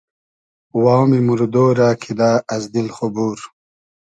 وامی موردۉ رۂ کیدۂ از دیل خو بور